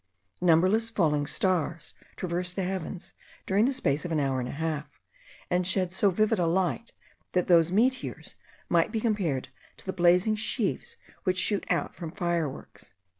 Numberless falling stars traversed the heavens during the space of an hour and a half, and shed so vivid a light, that those meteors might be compared to the blazing sheaves which shoot out from fireworks."